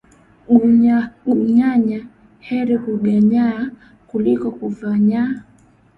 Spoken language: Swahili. Gunya gunyanya heri kunyang’anya kuliko kuavanya.